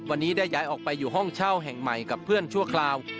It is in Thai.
วันนี้ได้ย้ายออกไปอยู่ห้องเช่าแห่งใหม่กับเพื่อนชั่วคราว